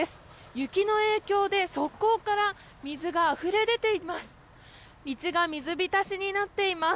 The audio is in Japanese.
雪の影響で側溝から水があふれ出ています。